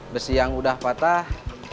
besi yang sudah patah